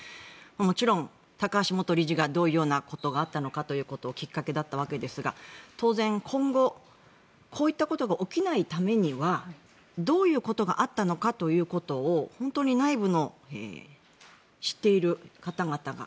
もちろん高橋元理事がどういうことがあったかというのがきっかけだったわけですが当然、今後こういったことが起きないためにはどういうことがあったのかということを本当に内部の知っている方々が